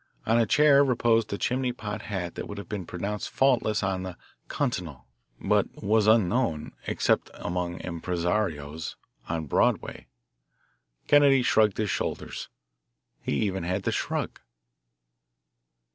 On a chair reposed a chimney pot hat that would have been pronounced faultless on the "continong," but was unknown, except among impresarios, on Broadway. Kennedy shrugged his shoulders he even had the shrug.